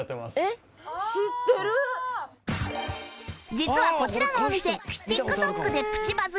実はこちらのお店 ＴｉｋＴｏｋ でプチバズり中？